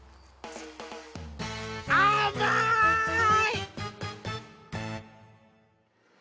あまい！